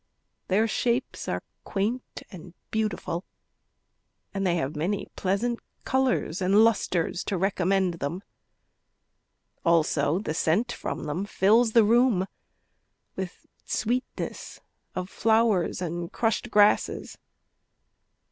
Their shapes are quaint and beautiful, And they have many pleasant colours and lustres To recommend them. Also the scent from them fills the room With sweetness of flowers and crushed grasses.